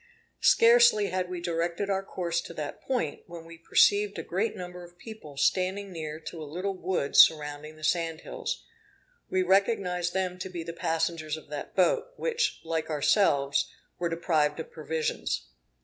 Scarcely had we directed our course to that point, when we perceived a great number of people standing near to a little wood surrounding the sand hills. We recognized them to be the passengers of that boat, which, like ourselves, were deprived of provisions.